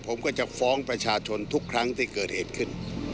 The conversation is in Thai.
ผมก็จะฟ้องประชาชนทุกครั้งที่เกิดเหตุขึ้น